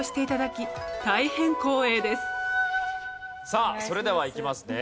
さあそれではいきますね。